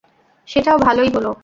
সেটাও ভালই হলো।